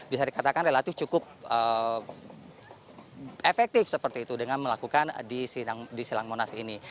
bisa dikatakan relatif cukup efektif seperti itu dengan melakukan di silang monas ini